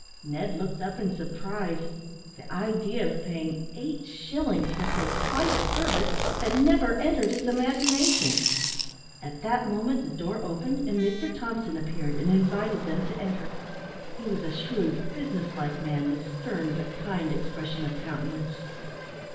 Ned looked up in surprise. The idea of paying eight shillings for so slight a service had never entered his imagination. At that moment the door opened, and Mr Thompson appeared, and invited them to enter. He was a shrewd, business like man, with stern, but kind expression of countenance.